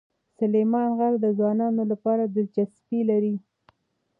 سلیمان غر د ځوانانو لپاره دلچسپي لري.